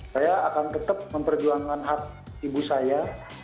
saya akan tetap memperjuangkan hak ibu saya